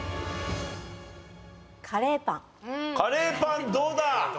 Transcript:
カレーパンどうだ？